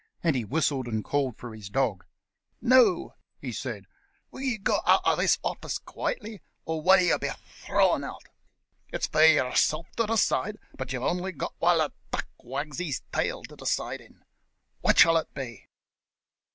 and he whistled and called for his dog. "Now," he said, "will you go out of this office quietly, or will you be thrown out? It's for yourself to decide, but you've only got while a duck wags his tail to decide in. Which'll it be?"